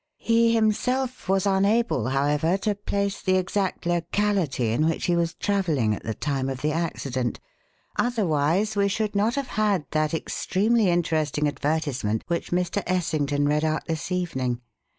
He himself was unable, however, to place the exact locality in which he was travelling at the time of the accident, otherwise we should not have had that extremely interesting advertisement which Mr. Essington read out this evening.